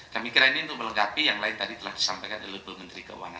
kami kira ini untuk melengkapi yang lain tadi telah disampaikan oleh bu menteri keuangan